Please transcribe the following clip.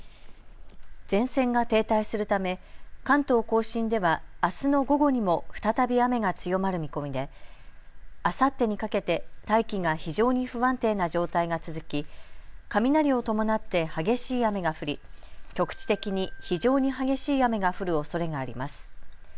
前線が停滞するため関東甲信ではあすの午後にも再び雨が強まる見込みであさってにかけて大気が非常に不安定な状態が続き雷を伴って激しい雨が降り局地的に非常に激しい雨が降るおそれがあります。